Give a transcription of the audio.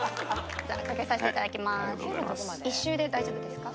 １周で大丈夫ですか？